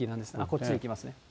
こっちいきますね。